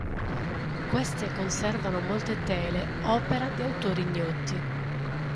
Queste conservano molte tele opera di autori ignoti.